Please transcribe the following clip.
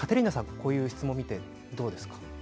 こういう質問を見てどうですか？